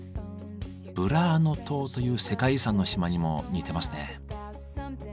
ブラーノ島という世界遺産の島にも似てますね。